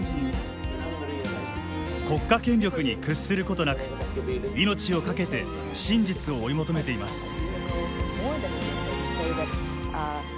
国家権力に屈することなく命を懸けて真実を追い求めています。